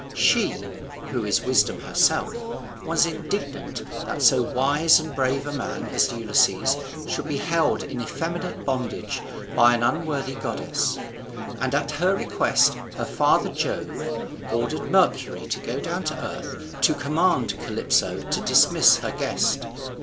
She (who is wisdom herself) was indignant that so wise and brave a man as Ulysses should be held in effeminate bondage by an unworthy goddess; and at her request her father Jove ordered Mercury to go down to the earth to command Calypso to dismiss her guest.